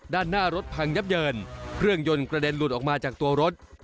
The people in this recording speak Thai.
ด้านหน้ารถพังยับเยินเครื่องยนต์กระเด็นหลุดออกมาจากตัวรถ